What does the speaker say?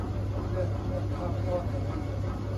เครื่องนวดเท้ายี่ห้อไหนดี